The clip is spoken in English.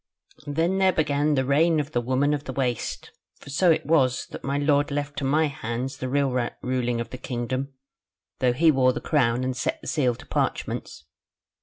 "There then began the reign of the Woman of the Waste; for so it was, that my lord left to my hands the real ruling of the kingdom, though he wore the crown and set the seal to parchments.